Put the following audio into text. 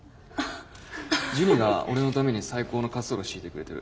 ジュニが俺のために最高の滑走路を敷いてくれてる。